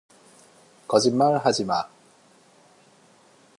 거짓말하지 마.